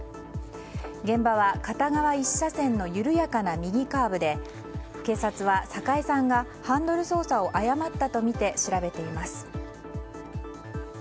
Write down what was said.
現場は片側１車線の緩やかな右カーブで警察は、榮さんがハンドル操作を誤ったとみて調べています。